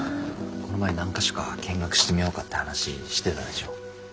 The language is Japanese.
この前何か所か見学してみようかって話してたでしょ。